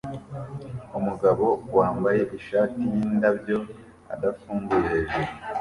Umugabo wambaye ishati yindabyo adafunguye heju